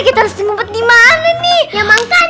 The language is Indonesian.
disuruh tiba tiba sakit kan